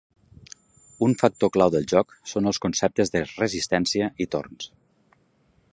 Un factor clau del joc són els conceptes de "resistència" i "torns".